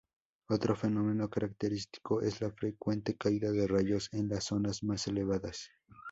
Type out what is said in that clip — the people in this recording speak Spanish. Otro fenómeno característico es la frecuente caída de rayos en las zonas más elevadas.